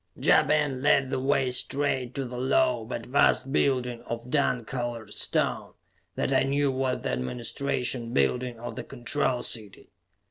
Ja Ben led the way straight to the low but vast building of dun colored stone that I knew was the administration building of the Control City.